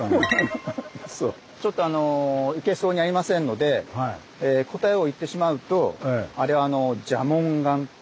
ちょっと行けそうにありませんので答えを言ってしまうとあ蛇紋岩。